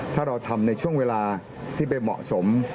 ถ้าเราทำในช่วงเวลาที่ไปเหมาะสม